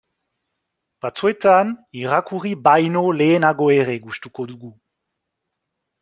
Batzuetan irakurri baino lehenago ere gustuko dugu.